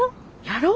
やろ？